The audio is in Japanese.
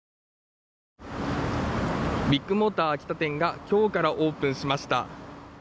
ビッグモーター秋田店が今日からオープンしました。